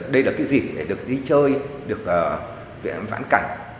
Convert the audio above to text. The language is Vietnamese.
đây là cái dịp để được đi chơi được viện vãn cảnh